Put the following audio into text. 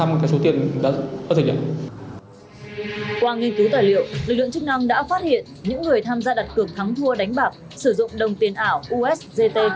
qua nghiên cứu tài liệu lực lượng chức năng đã phát hiện những người tham gia đặt cược thắng thua đánh bạc sử dụng đồng tiền ảo usgt